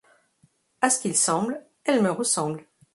À ce qu'il semble, elle me ressemble.